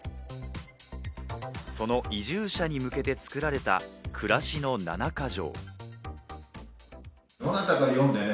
その移住者に向けて作られた「暮らしの七か条」。